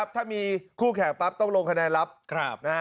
ถ้ามีคู่แข่งปั๊บต้องลงคะแนนลับ